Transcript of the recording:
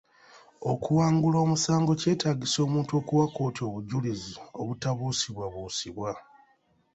Okuwangula omusango kyetaagisa omuntu okuwa kkooti obujjulizi obutabuusibwabuusibwa.